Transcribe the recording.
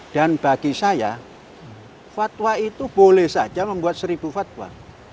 dan bagi saya fatwa itu boleh saja membuat seribu fatwa